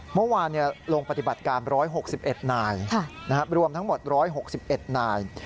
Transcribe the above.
เมื่อวานลงปฏิบัติการ๑๖๑นายรวมทั้งหมด๑๖๑นาย